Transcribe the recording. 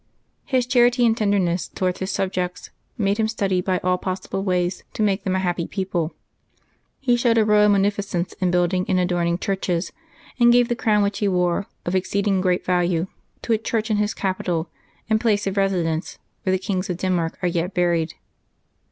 His charity and tenderness towards his subjects made him study by all possible ways to make them a happy people. He showed a royal munificence in building and adorning churches, and gave the crown which he wore, of exceeding great value, to a church in his capital and place of residence, where the kings of Denmark are yet buried.